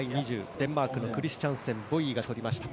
デンマークのクリスチャンセンボイイがとりました。